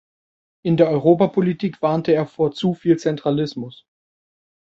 In der Europapolitik warnte er vor zu viel Zentralismus.